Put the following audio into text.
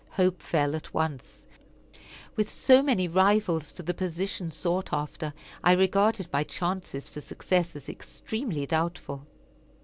Hope fell at once. With so many rivals for the position sought after, I regarded my chances for success as extremely doubtful.